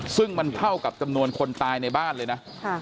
ซึ่งมันเท่ากับจำนวนคนตายในบ้านเลยนะ